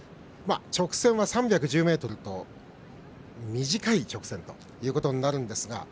直線は３１０ｍと短い直線ということになるんですが。